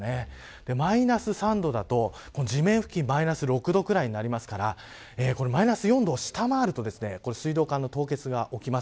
マイナス３度だと地面付近マイナス６度ぐらいになりますからマイナス４度を下回ると水道管の凍結が起きます。